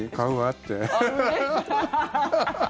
って。